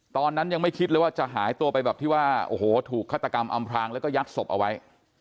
ตอนนั้นยังไม่คิดเลยว่าจะหายตัวไปแบบที่ว่าโอ้โหถูกฆาตกรรมอำพรางแล้วก็ยัดศพเอาไว้